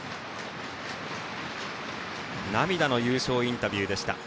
涙の優勝インタビューでした。